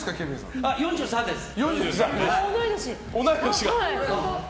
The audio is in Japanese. ４３です。